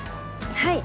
はい。